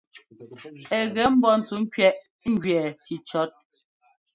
Ɛ gɛ mbɔ́ ntsúkẅiɛʼ njʉɛ́ cícíɔ́t.